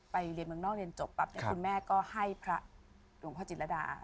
เรียนเมืองนอกเรียนจบปั๊บคุณแม่ก็ให้พระหลวงพ่อจิตรดา